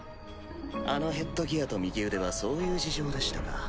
あのヘッドギアと右腕はそういう事情でしたか。